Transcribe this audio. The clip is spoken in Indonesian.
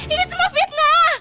ini semua fitnah